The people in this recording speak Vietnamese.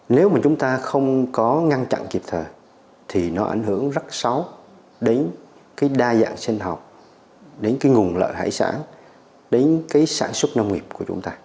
nếu mà chúng ta không có ngăn chặn kịp thời thì nó ảnh hưởng rất sáu đến cái đa dạng sinh học đến cái nguồn lợi hải sản đến cái sản xuất nông nghiệp của chúng ta